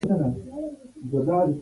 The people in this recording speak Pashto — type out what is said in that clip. په عمومي صورت هغوی چرسیان او جنګیان وه.